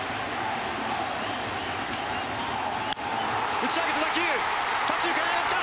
打ち上げた打球左中間へ上がった！